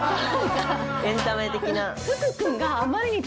エンタメ的な？